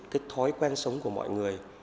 cái thói quen sống của mọi người